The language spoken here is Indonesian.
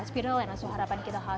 selamat pagi dok